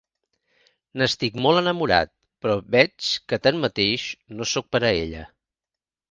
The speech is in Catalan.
N'estic molt enamorat, però veig que tanmateix no soc per a ella.